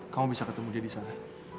kamu bisa ketemu dia disana